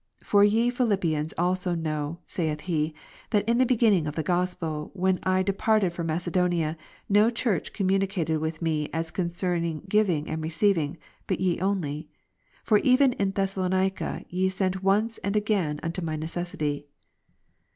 For ye Philip) ver. 15. plans also know (saith he) that in the beginning of the Gospel, when I departed from Macedonia, no Church communicated with me as concerning giving and receiving, but ye only. For even hi Thessalonica ye sent once and again unto my ne cessity.